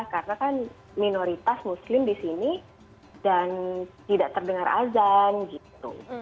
karena kan minoritas muslim di sini dan tidak terdengar azan gitu